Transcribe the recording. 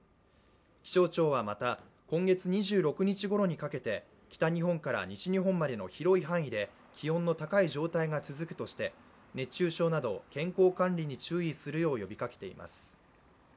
気象庁はまた今月２６日ごろにかけて北日本から西日本までの広い範囲で気温の高い状態が続くとして、熱中症など、健康管理に注意するよう呼びかけています。